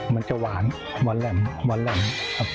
มันจะหวานหมอนแหลมหมอนแหลมครับ